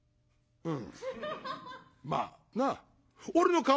うん。